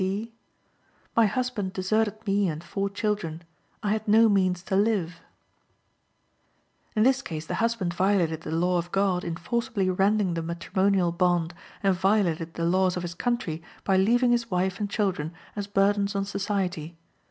C. C.: "My husband deserted me and four children. I had no means to live." In this case the husband violated the law of God in forcibly rending the matrimonial bond, and violated the laws of his country by leaving his wife and children as burdens on society.